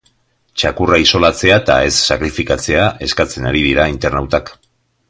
Txakurra isolatzea eta ez sakrifikatzea eskatzen ari dira internautak.